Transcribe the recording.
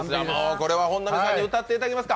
これは本並さんに歌っていただきますか。